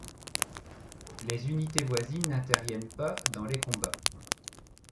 Les unités voisines n’interviennent pas dans les combats.